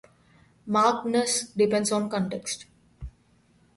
Markedness depends on context.